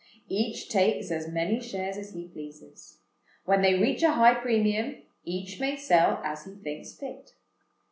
Each takes as many shares as he pleases. When they reach a high premium, each may sell as he thinks fit.